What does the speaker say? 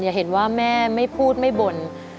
เห็นว่าแม่ไม่พูดไม่บ่น